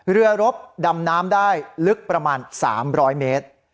เรือรบดำน้ำได้ลึกประมาณ๓๐๐เมตร